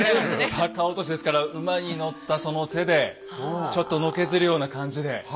逆落としですから馬に乗ったその背でちょっとのけぞるような感じで。